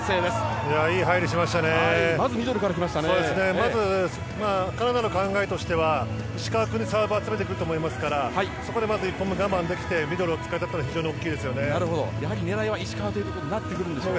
まずカナダの考えとしては石川君にサーブを集めてくると思いますからそこで我慢できてミドルを使えたのは狙いは石川でしょうか。